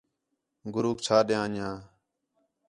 گُروک چَھا ݙیاں انڄیاں